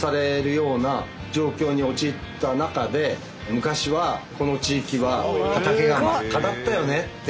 昔はこの地域は畑が真っ赤だったよねって。